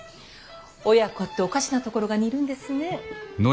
親子っておかしなところが似るんですね。